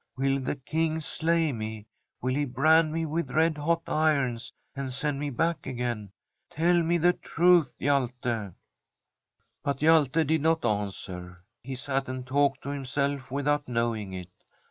Will the King slay me ? Will he brand me with red hot irons, and send me back again ? Tell me the truth, Hjalte.' But Hjalte did not answer. He sat and talked to himself without knowing it.